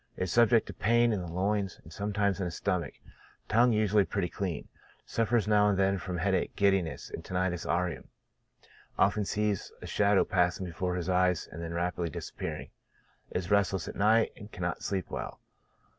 Is subject to pain in the loins, and sometimes in the stomach ; tongue usually pretty clean ; suffers now and then from headache, giddiness, and tinnitus aurium. Often sees a shadow passing before his eyes, and then rapidly disappearing ; is restless at night, and cannot sleep well.